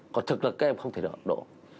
còn thực là các em không thể đổ